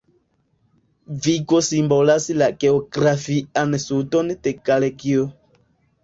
Vigo simbolas la geografian sudon de Galegio.